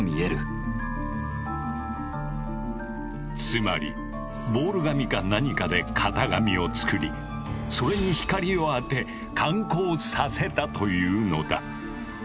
つまりボール紙か何かで型紙を作りそれに光を当て感光させたというのだ。